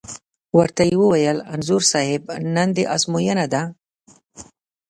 ور ته یې وویل: انځور صاحب نن دې ازموینه ده.